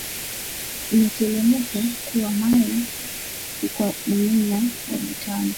Mu telemuke ku mayi, kuko myuwa ya butamu